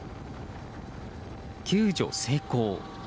救助成功。